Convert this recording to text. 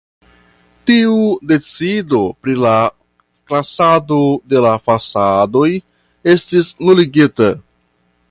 Tiu decido pri la klasado de la fasadoj estis nuligita.